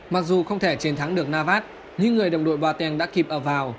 mặc dù không thể chiến thắng được navas nhưng người đồng đội bà teng đã kịp ở vào